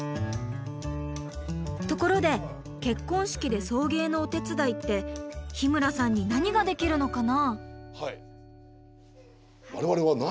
ところで結婚式で送迎のお手伝いって日村さんに何ができるのかな？